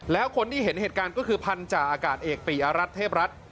แล้วคนที่เห็นเหตุการณ์ก็คือพันธาอากาศเอกปีอารัฐเทพรัฐ